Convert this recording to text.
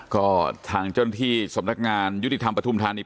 ก็ทางเจ้าหน้าที่สำนักงานยุติธรรมปฐุมธานี